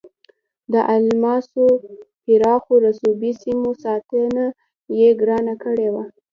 د الماسو پراخو رسوبي سیمو ساتنه یې ګرانه کړې وه.